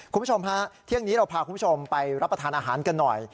คุณผู้ชมฮะเที่ยงนี้เราพาคุณผู้ชมไปรับประทานอาหารกันหน่อย